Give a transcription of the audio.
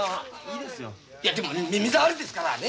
いやでもね耳障りですからね。